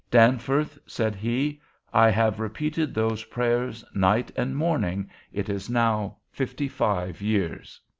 'Danforth,' said he, 'I have repeated those prayers night and morning, it is now fifty five years.'